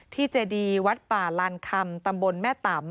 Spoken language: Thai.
เจดีวัดป่าลานคำตำบลแม่ตำ